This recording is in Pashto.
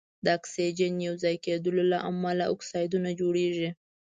د اکسیجن یو ځای کیدلو له امله اکسایدونه جوړیږي.